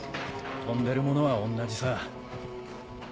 飛んでるものは同じさ。